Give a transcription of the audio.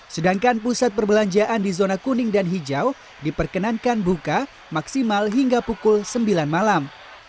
sedangkan pusat perbelanjaan di zona kuning dan hijau diperkenankan buka maksimal hingga pukul sembilan malam